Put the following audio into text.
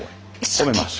褒めます。